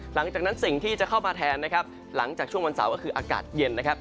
หลังจากนั้นสิ่งที่จะเข้ามาแทนนะครับหลังจากช่วงวันเสาร์ก็คืออากาศเย็นนะครับ